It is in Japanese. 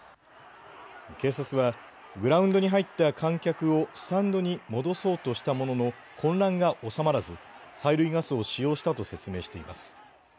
警察はグラウンドに入った観客をスタンドに戻そうとしたものの混乱が収まらず催涙ガスを使用したと説明しています。